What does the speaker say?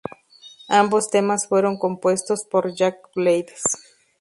Ambos temas fueron compuestos por Jack Blades.